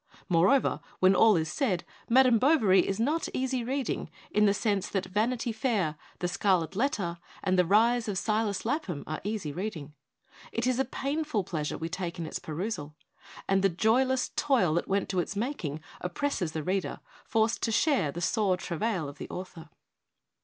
Moreover, when all is said, 'Ma dame Bovary' is not easy reading in the sense that ' Vanity Fair,' the 'Scarlet Letter/ and the 'Rise of Silas Lapham' are easy reading. It is a painful pleasure we take in its perusal; and the joyless toil that went to its making op presses the reader, forced to share the sore trav ail of the author.